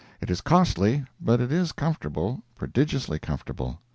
It is costly, but it is comfortable—prodigiously comfortable.